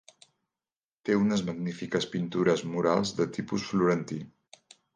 Té unes magnífiques pintures murals de tipus florentí.